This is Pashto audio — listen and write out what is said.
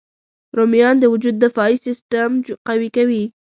رومیان د وجود دفاعي سیسټم قوي کوي